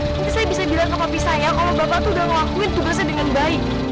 ini saya bisa bilang ke mapi saya oh bapak tuh udah ngelakuin tugasnya dengan baik